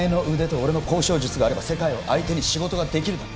俺の交渉術があれば世界を相手に仕事ができるだろ